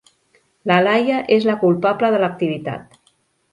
La Laia és la culpable de l'activitat.